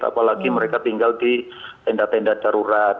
apalagi mereka tinggal di tenda tenda darurat